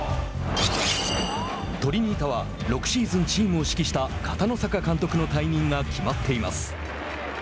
トリニータは、６シーズンチームを指揮した片野坂監督の退任が決まっています。